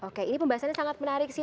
oke ini pembahasannya sangat menarik sih